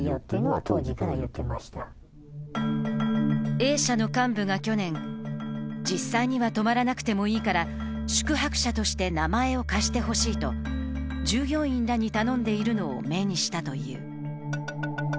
Ａ社の幹部が去年、実際には泊まらなくていいから宿泊者として名前を貸してほしいと従業員らに頼んでいるのを目にしたという。